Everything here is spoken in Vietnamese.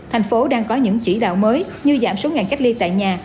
thành phố đang có những chỉ đạo mới như giảm số ngày cách ly tại nhà